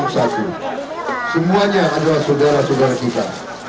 semuanya adalah saudara saudara kita